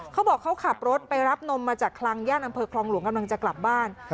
เขาบอกเขาขับรถไปรับนมมาจากคลังย่านอำเภอคลองหลวงกำลังจะกลับบ้าน